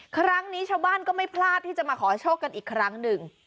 ครั้งนี้ชาวบ้านก็ไม่พลาดที่จะมาขอโชคกันอีกครั้งหนึ่ง